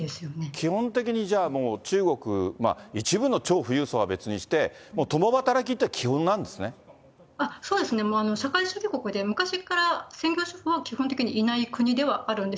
基本的にじゃあ、もう、中国、一部の超富裕層は別にして、そうですね、社会主義国で、昔から専業主婦は基本的にいない国ではあるんです。